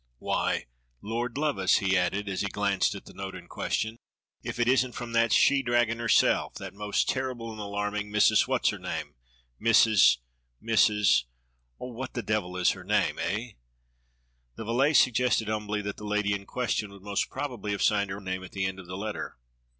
Wliy, Lord love us," he added as he glanced at the note in question, "if it isn't from that she dragon herself, that most terrible and alarm ing Missus What'shername, Missus — Missus — oh, what the devil is her name, eh? " The valet suggested humbly that the lady in question would most probably have signed her name at the end of the letter.